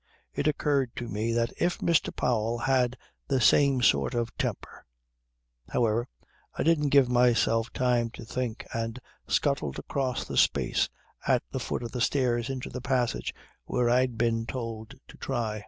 It occurred to me that if Mr. Powell had the same sort of temper ... However, I didn't give myself time to think and scuttled across the space at the foot of the stairs into the passage where I'd been told to try.